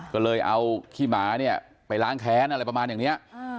ก็เลยเอาขี้หมาเนี่ยไปล้างแค้นอะไรประมาณอย่างนี้